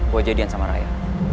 gue jadian sama raya